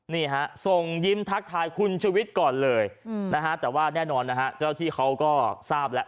นี่ฮะส่งยิ้มทักทายคุณชุวิตก่อนเลยนะฮะแต่ว่าแน่นอนนะฮะเจ้าที่เขาก็ทราบแล้ว